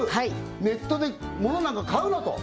ネットで物なんか買うなと？